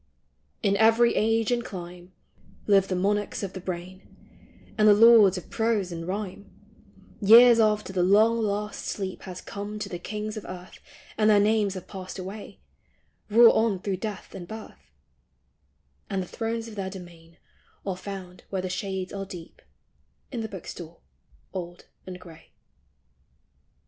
In every age and clime Live the monarchs of the brain : And the lords of prose and rhyme, Years after the long last sleep Has come to the kings of earth And their names have passed away, Rule on through death and birth; And the thrones of their domain Are found where the shades are deep In the book stall old and gray.